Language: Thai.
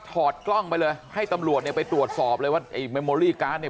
อดกล้องไปเลยให้ตำรวจเนี่ยไปตรวจสอบเลยว่าไอ้เมมโมลี่การ์ดเนี่ย